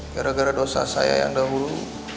gara gara dosa saya yang dahulu